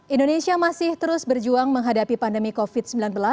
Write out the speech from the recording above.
indonesia masih terus berjuang menghadapi pandemi covid sembilan belas